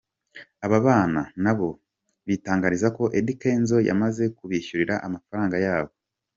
Aba bana nabo bitangariza ko Eddy Kenzo yamaze kubishyura amafaranga yabo.